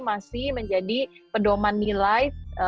masih menjadi pedoman nilai